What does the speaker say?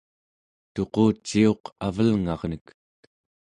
tuquciuq avelngarnek